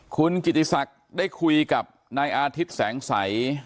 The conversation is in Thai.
คุณกิติศักดิ์ได้คุยกับนายอาทิตย์แสงสัย